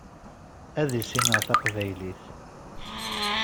Ad issineɣ tabqylit.